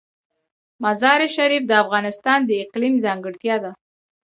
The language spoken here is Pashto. مزارشریف د افغانستان د اقلیم ځانګړتیا ده.